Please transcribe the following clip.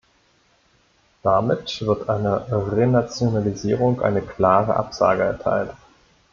Damit wird einer Renationalisierung eine klare Absage erteilt.